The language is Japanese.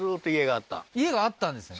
家があったんですね